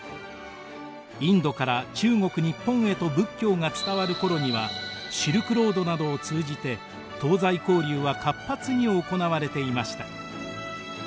インドから中国日本へと仏教が伝わる頃にはシルクロードなどを通じて東西交流は活発に行われていました。